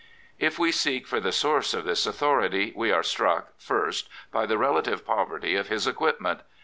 If we seek for the source of this authority, we are struck, first, by the relative poverty of his equipment.